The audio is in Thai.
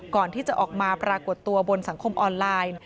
ก่อนที่จะออกมาปรากฏตัวบนสังคมออนไลน์